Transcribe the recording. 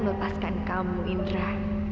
lepaskan kamu indra